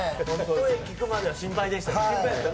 声聞くまでは心配でした。